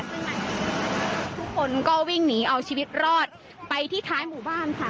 ทุกคนก็วิ่งหนีเอาชีวิตรอดไปที่ท้ายหมู่บ้านค่ะ